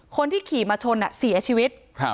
คนที่ขี่มาชนเสียชีวิต